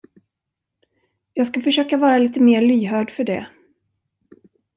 Jag ska försöka vara lite mer lyhörd för det.